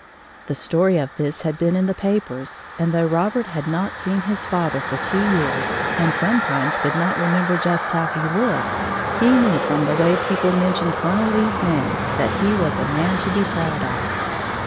The story of this had been in the papers, and though Robert had not seen his father for two years and sometimes could not remember just how he looked, he knew from the way people mentioned Colonel Lee's name that he was a man to be proud of.